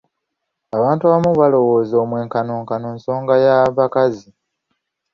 Abantu abamu balowooza omwenkanonkano nsonga ya bakazi.